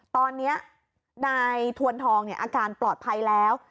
ตอนนี้นายทวนทองอาการปลอดภัยแล้ว